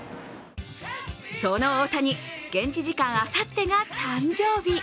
その大谷、現地時間あさってが誕生日。